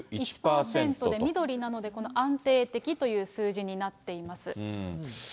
緑なのでこの安定的という数字になっています。